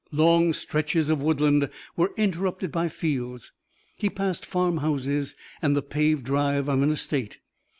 Long stretches of woodland were interrupted by fields. He passed farmhouses and the paved drive of an estate.